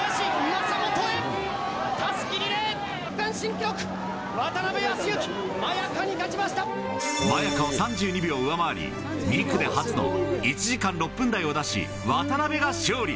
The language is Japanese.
区間新記録、マヤカを３２秒上回り、２区で初の１時間６分台を出し、渡辺が勝利。